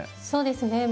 そうですね。